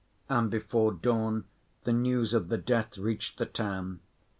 And before dawn the news of the death reached the town.